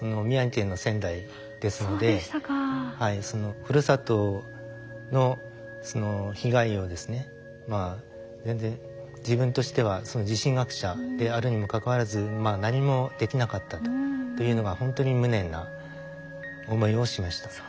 そのふるさとの被害をですねまあ全然自分としては地震学者であるにもかかわらず何もできなかったというのがほんとに無念な思いをしました。